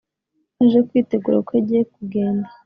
aje kwitegura kuko agiye kugenda